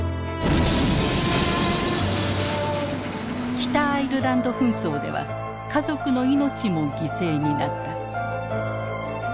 北アイルランド紛争では家族の命も犠牲になった。